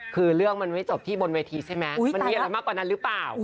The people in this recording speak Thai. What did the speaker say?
คือเรื่องมันไม่จบที่บนเวทีใช่ไหมมันมีอะไรมากกว่านั้นหรือเปล่า